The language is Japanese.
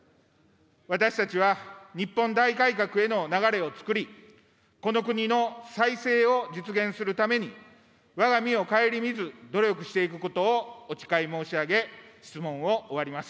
私たちは日本大改革への流れをつくり、この国の再生を実現するために、わが身を顧みず努力していくことをお誓い申し上げ、質問を終わります。